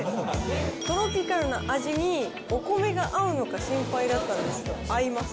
トロピカルな味にお米が合うのか心配だったんですけど、合います。